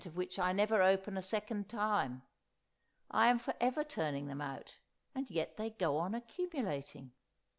of which I never open a second time. I am for ever turning them out, and yet they go on accumulating.